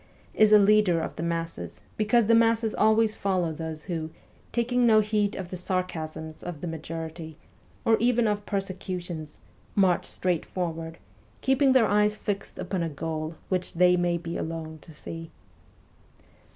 is a leader of the masses, because the masses always follow those who, taking no heed of the sarcasms of the majority, or even of persecutions, march straight WESTERN EUROPE 221 forward, keeping their eyes fixed upon a goal which they may be alone to see.